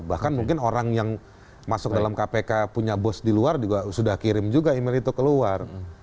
bahkan mungkin orang yang masuk dalam kpk punya bos di luar juga sudah kirim juga email itu keluar